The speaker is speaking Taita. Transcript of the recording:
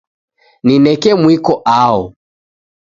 Nineke mwiko aho